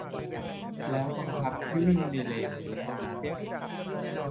แล้วบังคับให้วิ่งในเลนนี้เท่านั้น